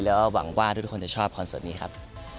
แล้วก็หวังว่าทุกคนจะชอบคอนเสิร์ตนี้ครับ